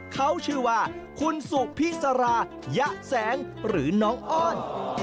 เขาชื่อว่าคุณสุพิษรายะแสงหรือน้องอ้อน